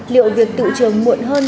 liệu việc tụ trường muộn hơn